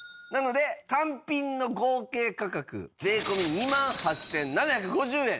なので単品の合計価格税込２万８７５０円。